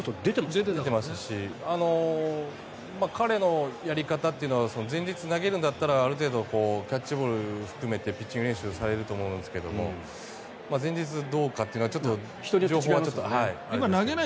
出てますし彼のやり方というのは前日投げるんだったら、ある程度キャッチボールを含めてピッチング練習をされると思うんですが前日、どうかというのは人によってちょっとわからない。